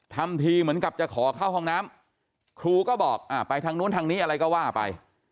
ทำทีเหมือนกับจะขอเข้าห้องน้ำครูก็บอกอ่าไปทางนู้นทางนี้อะไรก็ว่าไป